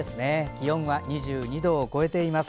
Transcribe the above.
気温は２２度を超えています。